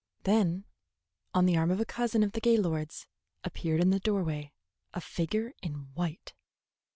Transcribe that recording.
Then, on the arm of a cousin of the Gaylords, appeared in the doorway a figure in white.